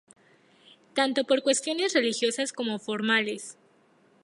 Tanto por cuestiones religiosas como formales.